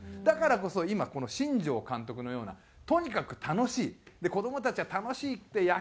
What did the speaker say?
だからこそ今この新庄監督のようなとにかく楽しい子どもたちが楽しいって。